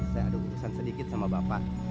saya ada urusan sedikit sama bapak